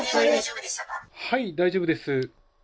はい、大丈夫です。